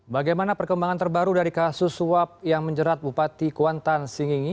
bagaimana perkembangan terbaru dari kasus suap yang menjerat bupati kuantan singingi